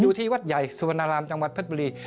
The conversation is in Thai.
อยู่ที่วัดใหญ่สุรมานาลามจังหวัดพฤษบุรี